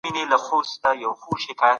غیر منطقي دلایل په څېړنه کي د منلو وړ نه دي.